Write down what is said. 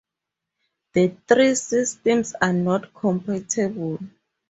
The three systems are not compatible.